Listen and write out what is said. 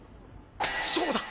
そうだ！